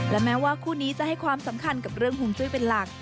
และแม้ว่าคู่นี้จะให้ความสำคัญกับเรื่องห่วงจุ้ยเป็นหลัก